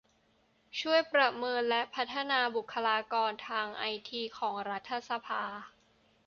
ช่วยประเมินและพัฒนาบุคคลากรทางไอทีของรัฐสภา